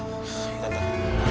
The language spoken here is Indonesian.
masuk dulu lang